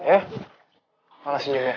eh malah senyumnya